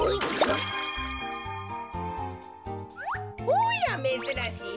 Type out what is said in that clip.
おやめずらしい。